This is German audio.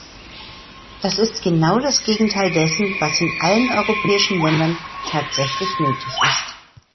Das ist genau das Gegenteil dessen, was in allen europäischen Ländern tatsächlich nötig ist.